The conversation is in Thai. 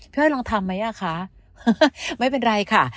อ้อยลองทำไหมอ่ะคะไม่เป็นไรค่ะ